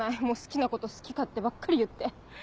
もう好きなこと好き勝手ばっかり言って。